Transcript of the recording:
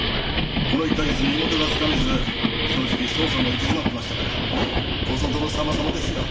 この１カ月身元がつかめず正直捜査も行き詰まってましたからコソ泥様々ですよ。